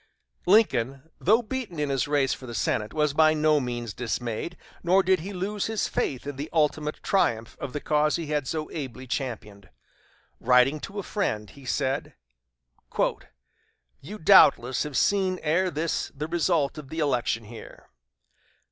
Lincoln, though beaten in his race for the Senate, was by no means dismayed, nor did he lose his faith in the ultimate triumph of the cause he had so ably championed. Writing to a friend, he said: "You doubtless have seen ere this the result of the election here.